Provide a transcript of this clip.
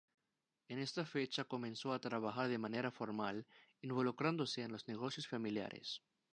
En esta fecha comenzó a trabajar de manera formal, involucrándose en los negocios familiares.